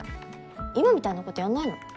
今みたいなことやんないの？